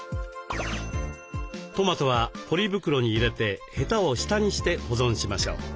トマトはポリ袋に入れてヘタを下にして保存しましょう。